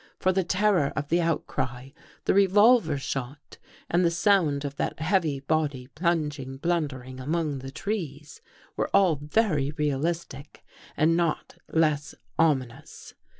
For the terror of the outcry, the revolver shot, and the sound of that 234 THE THIRD CONFESSION heavy body plunging, blundering among the trees, were all ^ ery realistic and not less ominous.